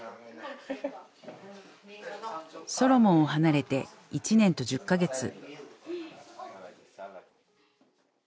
ソロモンを離れて１年と１０カ月。